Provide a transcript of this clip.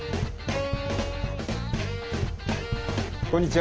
こんにちは。